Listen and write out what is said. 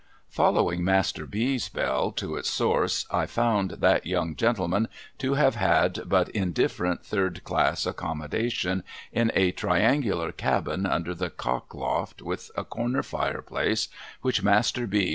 Following Master B.'s bell to its source, I found that young gentleman to have had but in different third class accommodation in a triangular cabin under the cock loft, with a corner fireplace v/hich Master B.